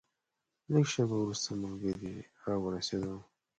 لږه شېبه وروسته ملګري راورسېدل.